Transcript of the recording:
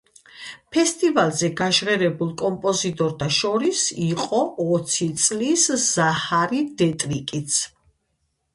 ფესტივალზე გაჟღერებულ კომპოზიტორთა შორის იყო ოცი წლის ზაჰარი დეტრიკიც.